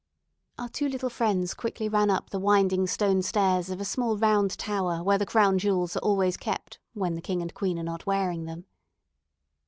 Our two little friends quickly ran up the winding stone stairs of a small round tower where the Crown Jewels are always kept when the king and queen are not wearing them.